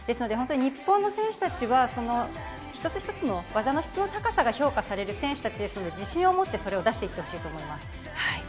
本当に日本の選手たちは１つ１つの技の質の高さが評価される選手たちですので自信を持ってそれを出していってほしいと思います。